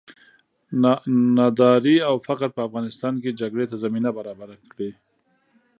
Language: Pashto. ناداري او فقر په افغانستان کې جګړې ته زمینه برابره کړې.